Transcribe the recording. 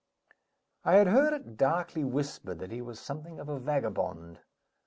I had heard it darkly whispered that he was something of a vagabond.